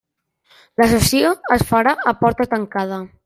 La sessió es farà a porta tancada.